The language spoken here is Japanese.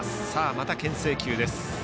またけん制球です。